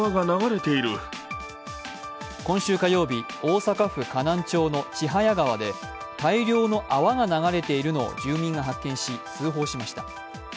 今週火曜日、大阪府河南町の千早川で大量の泡が流れているのを住民が発見し、通報しました。